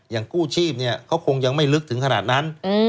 อย่างกู้ชีพเนี้ยเขาคงยังไม่ลึกถึงขนาดนั้นอืม